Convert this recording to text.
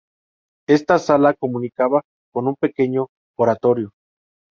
Esta sala comunicaba con un pequeño oratorio.